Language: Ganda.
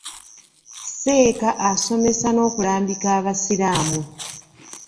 Seeka asomesa n'okulambika abasiraamu.